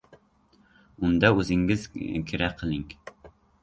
— Unda, o‘zingiz kira qiling.